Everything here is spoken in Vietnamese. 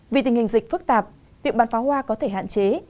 vì tình hình dịch phức tạp việc bán pháo hoa có thể hạn chế